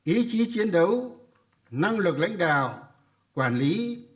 ý chí chiến đấu năng lực lãnh đạo quản lý